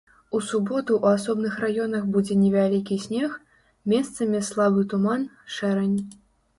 У суботу ў асобных раёнах будзе невялікі снег, месцамі слабы туман, шэрань.